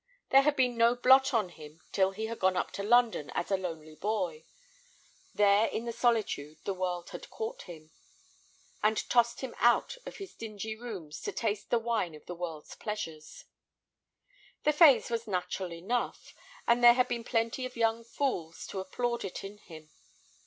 There had been no blot on him till he had gone up to London as a lonely boy. There in the solitude the world had caught him, and tossed him out of his dingy rooms to taste the wine of the world's pleasures. The phase was natural enough, and there had been plenty of young fools to applaud it in him.